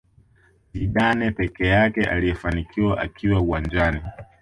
Zidane peke yake aliyefanikiwa akiwa uwanjani